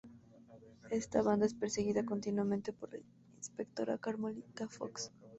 Esta banda es perseguida continuamente por la inspectora Carmelita Fox.